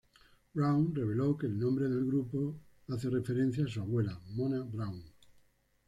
Brown reveló que el nombre del grupo hace referencia a su abuela, Mona Brown.